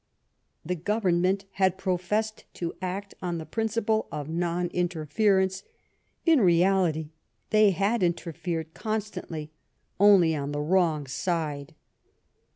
The Government had professed to act on the principle of non interference ; in reality, they had interfered con stantly, only on the wrong side."